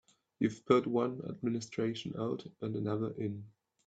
You've put one administration out and another in.